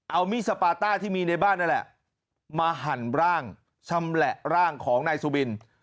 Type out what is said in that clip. เอามีดสปาต้าที่มีในบ้านนั่นแหละมาหั่นร่างชำแหละร่างของนายสุบิน